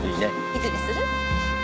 いつにする？